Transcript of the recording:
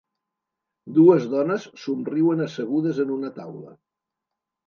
Dues dones somriuen assegudes en una taula